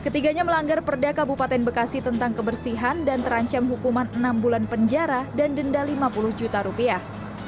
ketiganya melanggar perda kabupaten bekasi tentang kebersihan dan terancam hukuman enam bulan penjara dan denda lima puluh juta rupiah